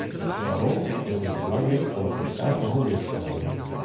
Wêrom is it belangryk om ferskate hobby’s te hawwen?